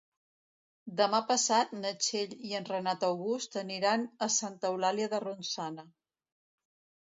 Demà passat na Txell i en Renat August aniran a Santa Eulàlia de Ronçana.